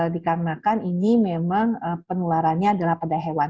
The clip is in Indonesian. dikarenakan ini memang penularannya adalah pada hewan